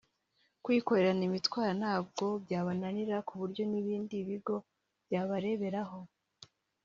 kwikorerana imitwaro ntabwo byabananira ku buryo n’ibindi bigo byabareberaho